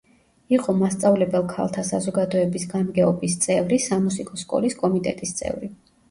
იყო მასწავლებელ ქალთა საზოგადოების გამგეობის წევრი, სამუსიკო სკოლის კომიტეტის წევრი.